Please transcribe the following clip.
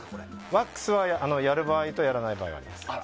ワックスは、やる場合とやらない場合があります。